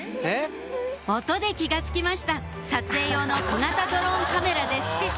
音で気が付きました撮影用の小型ドローンカメラです